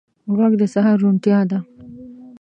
غږ د سهار روڼتیا ده